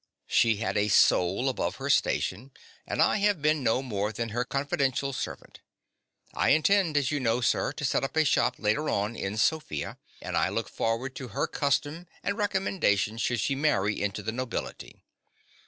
She had a soul above her station; and I have been no more than her confidential servant. I intend, as you know, sir, to set up a shop later on in Sofia; and I look forward to her custom and recommendation should she marry into the nobility.